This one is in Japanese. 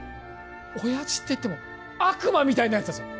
親父っていっても悪魔みたいなやつだぞ